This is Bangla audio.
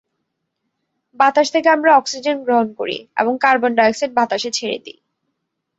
বাতাস থেকে আমরা অক্সিজেন গ্রহণ করি এবং কার্বন ডাই-অক্সাইড বাতাসে ছেড়ে দিই।